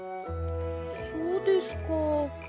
そうですか。